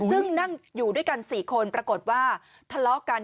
ซึ่งนั่งอยู่ด้วยกัน๔คนปรากฏว่าทะเลาะกัน